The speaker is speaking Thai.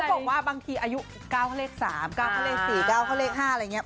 ก็บอกว่าบางทีอายุ๙ข้อเลข๓๙ข้อเลข๔๙ข้อเลข๕อะไรอย่างเงี้ย